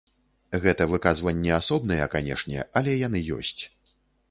Гэта выказванні асобныя, канешне, але яны ёсць.